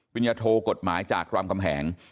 ญญโทกฎหมายจากรามคำแหง